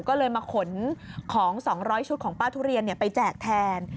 ก็เลยมาขนของ๒๐๐ชุดของป้าทุเรียนไปแจกแทน